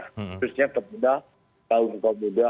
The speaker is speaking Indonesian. khususnya kemudah tahun tahun muda